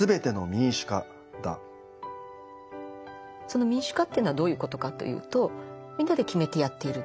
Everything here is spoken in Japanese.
その「民主化」というのはどういうことかというとみんなで決めてやっている。